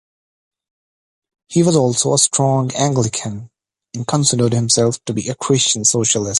He was also a strong Anglican, and considered himself to be a Christian socialist.